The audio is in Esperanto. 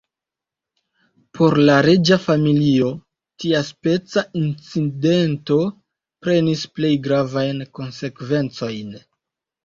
Por la reĝa familio, tiaspeca incidento prenis plej gravajn konsekvencojn.